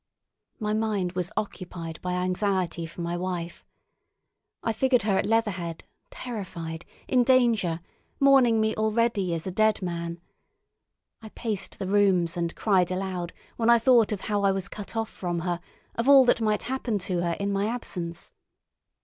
My mind was occupied by anxiety for my wife. I figured her at Leatherhead, terrified, in danger, mourning me already as a dead man. I paced the rooms and cried aloud when I thought of how I was cut off from her, of all that might happen to her in my absence.